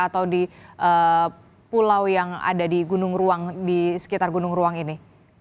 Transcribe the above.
atau di pulau yang ada di gunung di sekitar gunung ruang ini